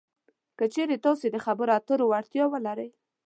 که چېرې تاسې د خبرو اترو وړتیا ولرئ